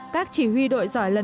các chỉ huy đội giỏi lớn